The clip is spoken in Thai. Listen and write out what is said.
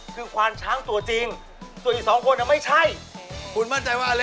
เพราะฉะนั้นคนตอบถูกเราคือคุณป๋องกระโบน